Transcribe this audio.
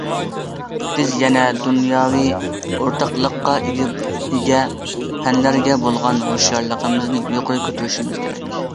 بىز يەنە دۇنياۋى ئورتاقلىققا ئىگە پەنلەرگە بولغان ھوشيارلىقىمىزنى يۇقىرى كۆتۈرۈشىمىز كېرەك.